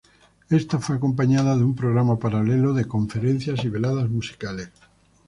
Ésta fue acompañada de un programa paralelo de conferencias y veladas musicales.